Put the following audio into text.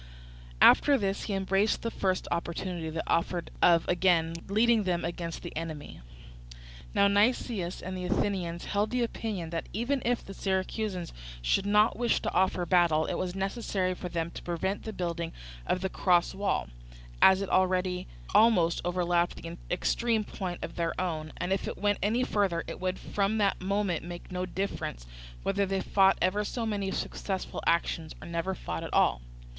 After this he embraced the first opportunity that offered of again leading them against the enemy. Now Nicias and the Athenians held the opinion that even if the Syracusans should not wish to offer battle, it was necessary for them to prevent the building of the cross wall, as it already almost overlapped the extreme point of their own, and if it went any further it would from that moment make no difference whether they fought ever so many successful actions, or never fought at all.